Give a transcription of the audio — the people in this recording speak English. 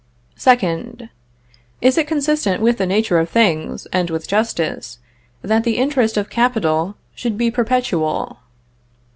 2nd. Is it consistent with the nature of things, and with justice, that the interest of capital should be perpetual?